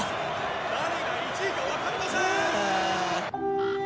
「誰が１位かわかりません！」